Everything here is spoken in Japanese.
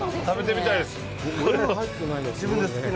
食べてみたいです。